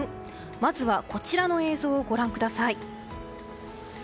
まずは、こちらの映像をご覧ください。